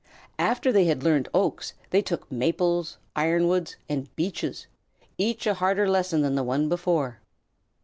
After they had learned oaks they took maples, ironwoods, and beeches each a harder lesson than the one before.